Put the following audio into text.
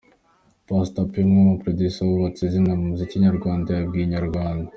Pastor P umwe mu ba producers bubatse izina mu muziki nyarwanda yabwiye Inyarwanda.